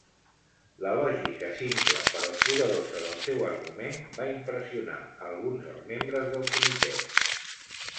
La lògica simple però poderosa del seu argument va impressionar alguns dels membres del comitè.